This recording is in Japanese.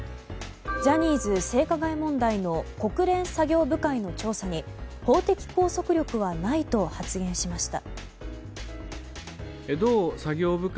ジャニーズ性加害問題の国連作業部会の調査に法的拘束力はないと発言しました。